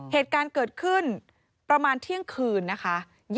เหตุการณ์เกิดขึ้นประมาณเที่ยงคืนนะคะ